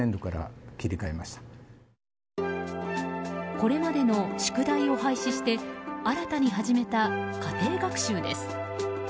これまでの宿題を廃止して新たに始めた家庭学習です。